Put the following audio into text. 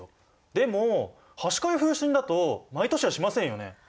でもはしかや風しんだと毎年はしませんよね？